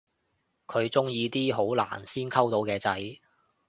佢鍾意啲好難先溝到嘅仔